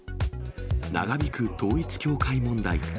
長引く統一教会問題。